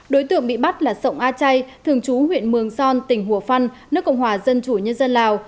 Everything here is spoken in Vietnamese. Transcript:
đối tượng bị bắt là sộng a chay thường trú huyện mường son tỉnh hùa phăn nước cộng hòa dân chủ nhân dân lào